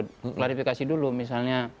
diklarifikasi dulu misalnya